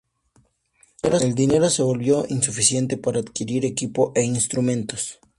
El dinero se volvía insuficiente para adquirir equipo e instrumentos.